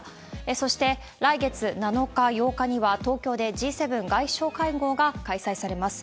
そして来月７日、８日には、東京でＧ７外相会合が開催されます。